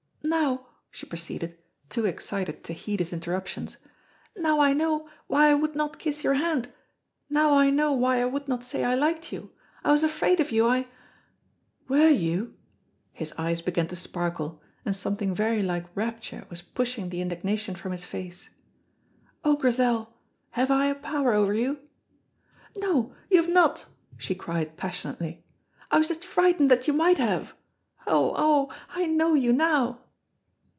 "Now," she proceeded, too excited to heed his interruptions, "now I know why I would not kiss your hand, now I know why I would not say I liked you. I was afraid of you, I " "Were you?" His eyes began to sparkle, and something very like rapture was pushing the indignation from his face. "Oh, Grizel, have I a power ower you?" "No, you have not," she cried passionately. "I was just frightened that you might have. Oh, oh, I know you now!"